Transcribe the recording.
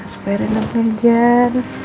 supaya rena penjajah